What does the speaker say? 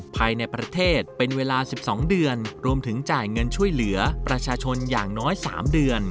ภายในประเทศเป็นเวลา๑๒เดือนรวมถึงจ่ายเงินช่วยเหลือประชาชนอย่างน้อย๓เดือน